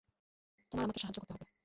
তোমার আমাকে সাহায্য করতে হবে।